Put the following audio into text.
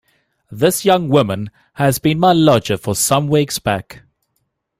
This young woman has been my lodger for some weeks back.